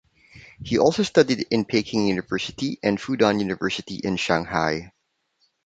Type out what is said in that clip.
He also studied at Peking University and Fudan University in Shanghai.